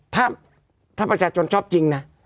ถ้าประชาชนชอบจริงนะ